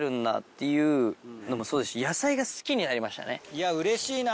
いやうれしいな。